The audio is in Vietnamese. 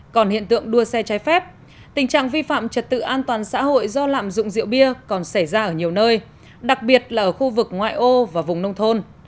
còn hiện tượng đua xe trái phép tình trạng vi phạm trật tự an toàn xã hội do lạm dụng rượu bia còn xảy ra ở nhiều nơi đặc biệt là ở khu vực ngoại ô và vùng nông thôn